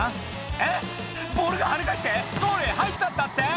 「えっボールがはね返ってゴールへ入っちゃったって？」